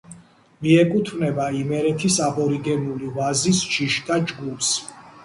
მიეკუთვნება იმერეთის აბორიგენული ვაზის ჯიშთა ჯგუფს.